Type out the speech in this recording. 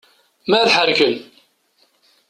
Ma ad ḥerken.